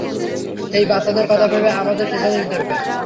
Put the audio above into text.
এই বাচ্চাদের কথা ভেবে আমাদের সিদ্ধান্ত নিতে হবে।